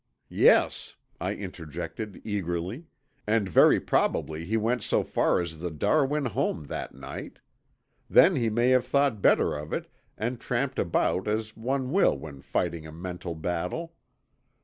"Yes," I interjected eagerly, "and very probably he went so far as the Darwin home that night. Then he may have thought better of it and tramped about as one will when fighting a mental battle.